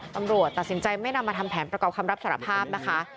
ตำรวจตัดสินใจไม่นำมาทำแผนประกอบคำรับสารภาพนะคะ